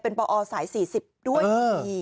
เป็นปอสาย๔๐ด้วยอย่างนี้